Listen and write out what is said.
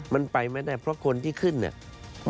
มันไปไม่ได้เพราะคนที่ขึ้นเนี่ย